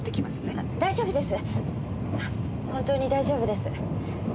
本当に大丈夫です。